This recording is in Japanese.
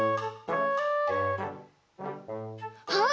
あっ！